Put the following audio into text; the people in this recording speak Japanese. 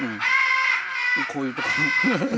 こういうところ。